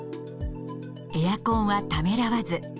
エアコンはためらわず。